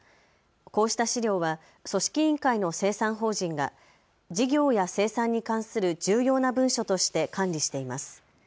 こうした資料は組織委員会の清算法人が事業や清算に関する重要な文書として管理しています。